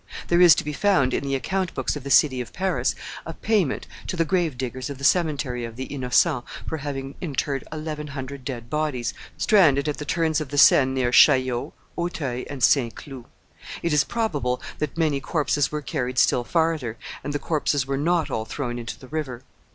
There is to be found, in the account books of the city of Paris, a payment to the grave diggers of the cemetery of the Innocents for having interred eleven hundred dead bodies stranded at the turns of the Seine near Chaillot, Auteuil, and St. Cloud; it is probable that many corpses were carried still farther, and the corpses were not all thrown into the river.